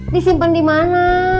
disimpan di mana